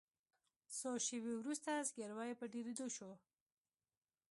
څو شیبې وروسته زګیروي په ډیریدو شو.